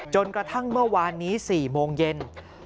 จนกระทั่งเมื่อวานนี้๔โมงเย็น